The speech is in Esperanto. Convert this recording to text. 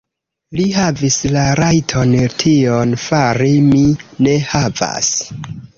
Li havis la rajton tion fari; mi ne havas.